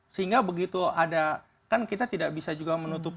sehingga begitu ada kan kita tidak bisa juga menutup